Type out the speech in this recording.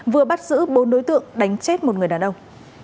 vừa bắt giữ bốn đối tượng đánh chết một người đàn ông